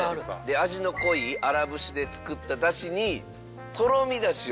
味の濃い荒節で作った出汁にとろみ出汁を。